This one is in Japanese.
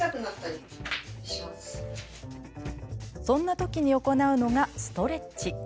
そんなときに行うのがストレッチ。